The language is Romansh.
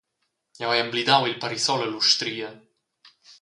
Jeu hai emblidau il parisol ell’ustria.